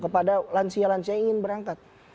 kepada lansia lansia yang ingin berangkat